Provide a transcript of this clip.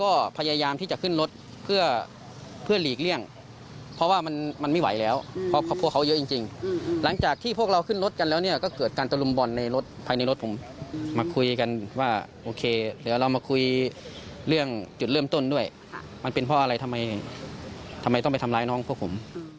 โอเคเดี๋ยวเรามาคุยเรื่องจุดเริ่มต้นด้วยมันเป็นเพราะอะไรทำไมต้องไปทำร้ายน้องพวกผม